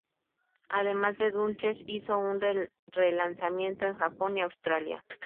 Además, The Dutchess hizo un re-lanzamiento en Japón y Australia.